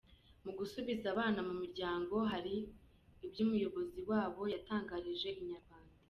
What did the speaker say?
Mu gusubiza abana mu muryango hari ibyo umuyobozi wabo yatangarijeho Inyarwanda.